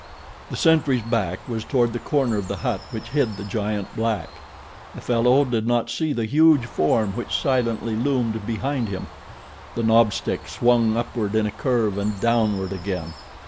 The sentry's back was toward the corner of the hut which hid the giant black. The fellow did not see the huge form which silently loomed behind him. The knob stick swung upward in a curve, and downward again.